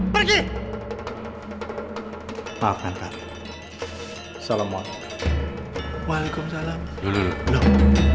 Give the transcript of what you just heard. maafkan kamu salam walaikum walaikum salam